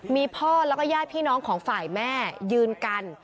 มีพ่อแล้วก็ญาติพี่น้องของฝ่ายแม่ยืนกัน